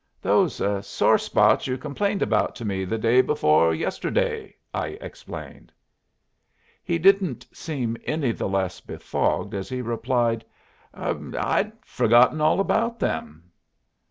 "Those sore spots you complained about to me the day before yesterday," I explained. He didn't seem any the less befogged as he replied, "I had forgotten all about them."